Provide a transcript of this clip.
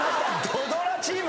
土ドラチーム。